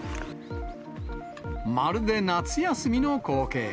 まるで夏休みの光景。